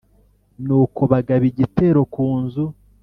nuko bagaba igitero ku nzu